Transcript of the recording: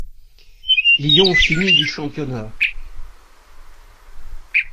Lyon fini du championnat.